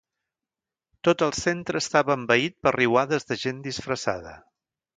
Tot el centre estava envaït per riuades de gent disfressada.